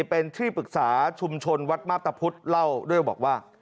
เป็นที่ปรึกษาชุมชนวัดมาพตะพุทธเล่าด้วยบอกว่า